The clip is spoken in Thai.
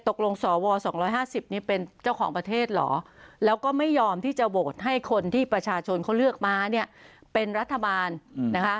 ตกลงสว๒๕๐นี่เป็นเจ้าของประเทศเหรอแล้วก็ไม่ยอมที่จะโหวตให้คนที่ประชาชนเขาเลือกมาเนี่ยเป็นรัฐบาลนะคะ